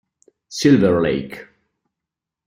Silver Lake